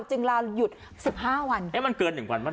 จึงลาหยุดสิบห้าวันเอ๊ะมันเกินหนึ่งวันป่ะเนี่ย